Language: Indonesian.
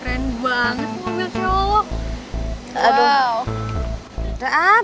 keren banget tuh mobil cowok lo